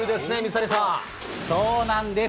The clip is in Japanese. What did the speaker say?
そうなんです。